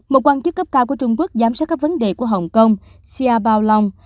một quan chức cấp cao của trung quốc giám sát các vấn đề của hồng kông xia baolong